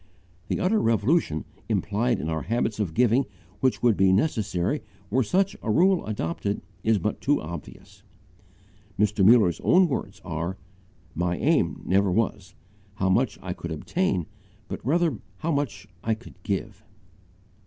The utter revolution implied in our habits of giving which would be necessary were such a rule adopted is but too obvious. Mr. Muller's own words are: "My aim never was, how much I could obtain, but rather how much I could give."